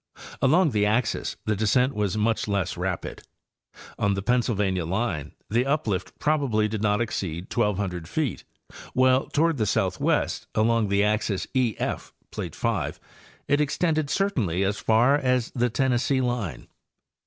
Along the axes the descent was much less rapid. On the Pennsylvania line the uplift probably did not exceed 1,200 feet, while toward the southwest, along the axis EH F (plate 5), it extended certainly as far as the Tennessee line.